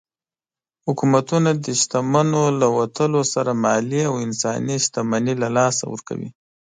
حکومتونه د شتمنو له وتلو سره مالي او انساني شتمني له لاسه ورکوي.